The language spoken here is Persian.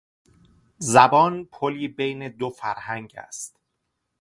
زبان پلی بین دو فرهنگ است.